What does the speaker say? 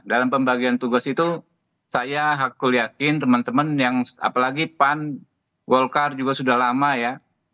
dalam pembagian tugas itu saya aku yakin teman teman yang apalagi pan golkar juga sudah lama ya